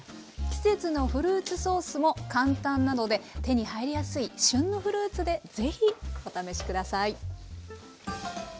季節のフルーツソースも簡単なので手に入りやすい旬のフルーツで是非お試し下さい。